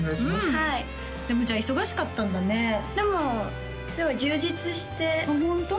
はいでもじゃあ忙しかったんだねでもすごい充実してあっホント？